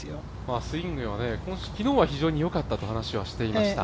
スイングも機能は非常に良かったという話はしていました。